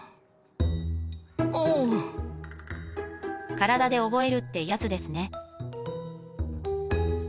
体で覚えるってやつですね